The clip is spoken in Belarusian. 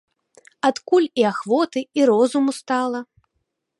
Адкуль і ахвоты, і розуму стала?